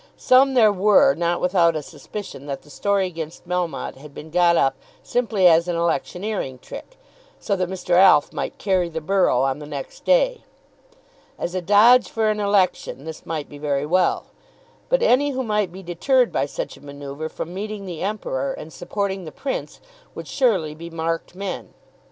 Some there were not without a suspicion that the story against Melmotte had been got up simply as an electioneering trick, so that Mr. Alf might carry the borough on the next day. As a dodge for an election this might be very well, but any who might be deterred by such a manoeuvre from meeting the Emperor and supporting the Prince would surely be marked men.